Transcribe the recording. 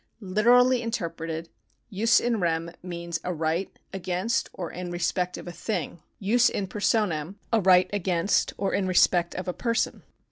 Literally interpreted, jus in rem means a right against or in respect of a thing, jus in personam a right against or in respect of a person.